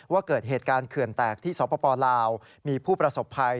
ว่าเกิดเหตุการณ์เขื่อนแตกที่สปลาวมีผู้ประสบภัย